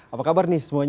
apa kabar nih semuanya